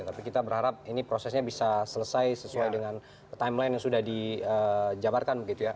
tapi kita berharap ini prosesnya bisa selesai sesuai dengan timeline yang sudah dijabarkan begitu ya